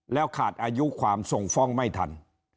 แล้วขาดอายุความส่งฟ้องไม่ทัน